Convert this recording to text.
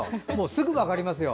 すぐ分かりますよ。